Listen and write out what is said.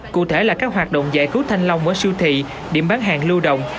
cụ thể là các hoạt động giải cứu thanh long ở siêu thị điểm bán hàng lưu động